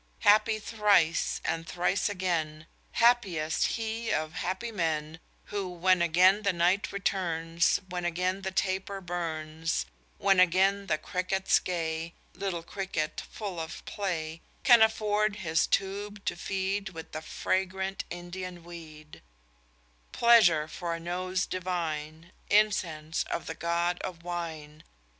Happy thrice, and thrice agen, Happiest he of happy men; Who when agen the night returns, When agen the taper burns; When agen the cricket's gay, (Little cricket, full of play) Can afford his tube to feed With the fragrant Indian weed: Pleasure for a nose divine, Incense of the god of wine.